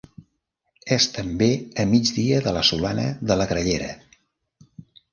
És també a migdia de la Solana de la Grallera.